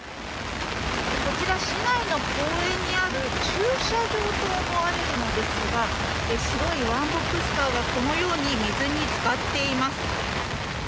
こちら、市内の公園にある駐車場と思われるのですが白いワンボックスカーがこのように水に浸かっています。